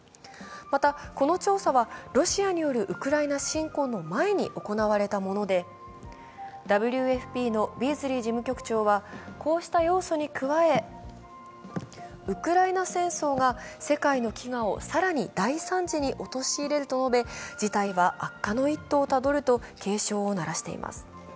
またこの調査はロシアによるウクライナ侵攻の前に行われたものでＷＦＰのビーズリー事務局長はこうした要素に加え、ウクライナ戦争が世界の飢餓を更に大惨事に陥れると述べ事態は悪化の一途をたどると警鐘を鳴らしています。